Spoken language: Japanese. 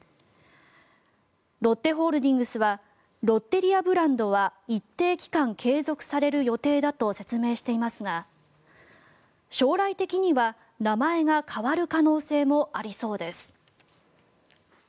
ロッテホールディングスはロッテリアブランドは一定期間、継続される予定だと説明していますが将来的には名前が変わる可能性もありそうです。